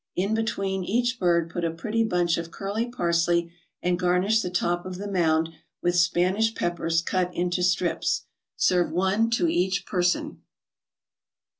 In between each bird put a pretty bunch of curly parsley, and garnish the top of the mound with Spanish peppers cut into strips. Serve one to each person.